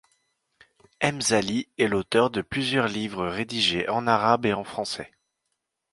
Mzali est l'auteur de plusieurs livres rédigés en arabe et en français.